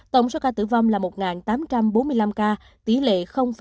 tổng số ca tử vong là một tám trăm bốn mươi năm ca tỷ lệ năm mươi bốn